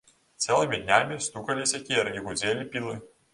Цэлымі днямі стукалі сякеры і гудзелі пілы.